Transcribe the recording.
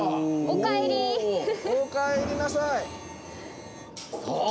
おかえりなさい！わ！